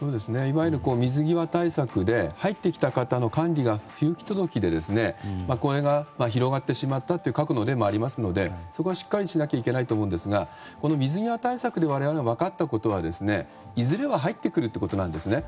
いわゆる水際対策で入ってきた方の管理が不行き届きで、広がってしまったという角度でもありますのでそこはしっかりしなきゃいけないと思いますが水際対策で我々が分かったことは、いずれは入ってくるということなんです。